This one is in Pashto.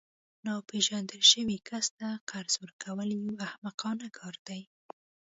ناپیژندل شوي کس ته قرض ورکول یو احمقانه کار دی